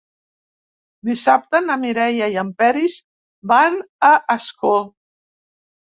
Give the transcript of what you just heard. Dissabte na Mireia i en Peris van a Ascó.